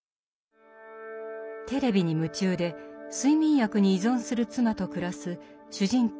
テレビに夢中で睡眠薬に依存する妻と暮らす主人公